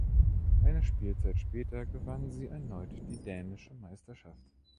Eine Spielzeit später gewann sie erneut die dänische Meisterschaft.